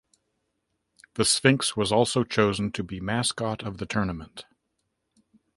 The sphinx was also chosen to be mascot of the tournament.